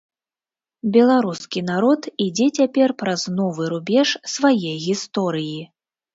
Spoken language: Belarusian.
Беларускі народ ідзе цяпер праз новы рубеж свае гісторыі.